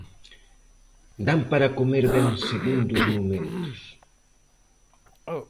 Dan para comer ben segundo os momentos.